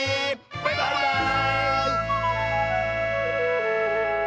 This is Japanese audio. バイバーイ！